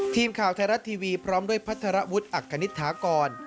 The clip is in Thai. ทีมข่าวไทยรัฐทีวีพร้อมด้วยพัทรวุฒิอักคณิตฐากร